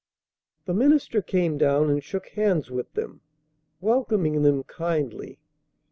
The minister came down and shook hands with them, welcoming them kindly.